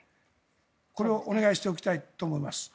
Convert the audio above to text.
これをお願いしておきたいと思います。